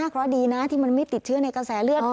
เพราะดีนะที่มันไม่ติดเชื้อในกระแสเลือด